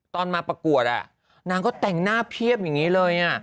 ตอนมาประกวดนางก็แต่งหน้าเพียบอย่างนี้เลย